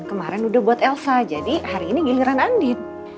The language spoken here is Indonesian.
kemaren udah buat elsa jadi hari ini giliran andin